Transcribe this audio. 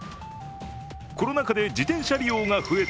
コロナ禍で自転車利用が増えた